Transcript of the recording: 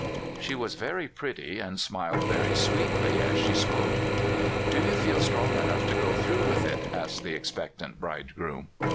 She was very pretty, and smiled very sweetly as she spoke. " Do you feel strong enough to go through with it?" asked the expectant bridegroom.